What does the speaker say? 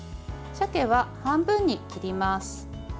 さけは半分に切ります。